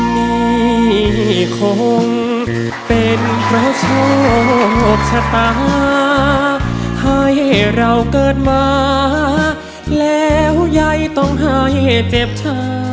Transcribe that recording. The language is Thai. นี่คงเป็นเพราะโชคชะตาให้เราเกิดมาแล้วยายต้องให้เจ็บชา